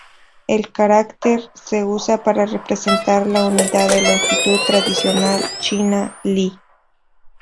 El carácter 里, se usa para representar la unidad de longitud tradicional china "li".